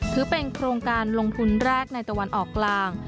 ถือเป็นโครงการลงทุนแรกในตะวันออกกลาง